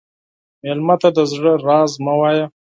مېلمه ته د زړه راز مه وایه.